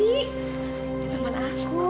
di tempat aku